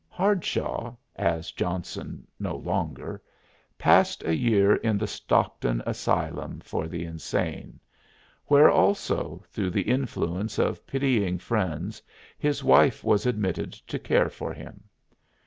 Hardshaw as Johnson no longer passed a year in the Stockton asylum for the insane, where also, through the influence of pitying friends, his wife was admitted to care for him.